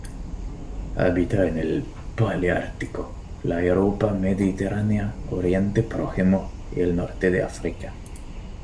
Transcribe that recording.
Habita en el paleártico: la Europa mediterránea, Oriente Próximo y el norte de África.